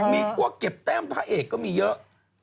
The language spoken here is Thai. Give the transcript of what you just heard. มีพวกเก็บแต้มพระเอกก็มีเยอะ